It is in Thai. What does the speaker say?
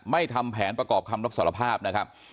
ทำแผนประกอบคำรับสารภาพนะครับ